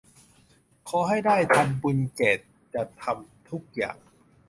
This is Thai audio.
ขอให้ได้ทำบุญแก่จะทำทุกอย่าง